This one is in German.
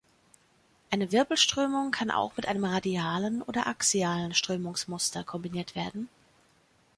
Eine Wirbelströmung kann auch mit einem radialen oder axialen Strömungsmuster kombiniert werden.